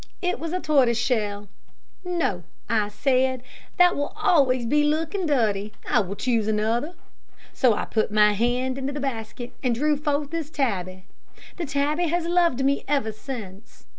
It was a tortoise shell. `No,' I said; `that will always be looking dirty. I will choose another.' So I put my hand into the basket, and drew forth this tabby. The tabby has loved me ever since.